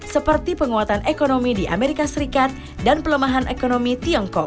seperti penguatan ekonomi di amerika serikat dan pelemahan ekonomi tiongkok